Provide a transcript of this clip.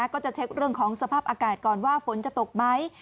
ก็จะเช็คเรื่องของสภาพอากาศก่อนว่าฝนจะตกไหม